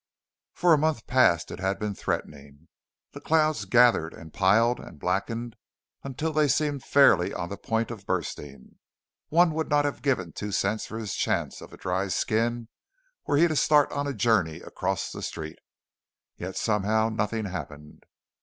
For a month past it had been threatening. The clouds gathered and piled and blackened until they seemed fairly on the point of bursting. One would not have given two cents for his chances of a dry skin were he to start on a journey across the street. Yet somehow nothing happened.